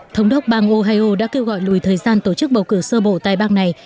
thống đốc bang ohio đã kêu gọi lùi thời gian tổ chức bầu cử sơ bộ tại bang này